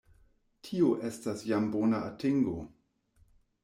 Tio estas jam bona atingo.